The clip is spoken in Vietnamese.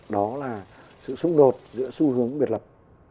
đó là sự xung đột giữa xu hướng biệt lập